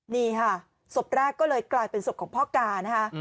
นี่ค่ะศพแรกก็เลยกลายเป็นศพของพ่อกานะคะ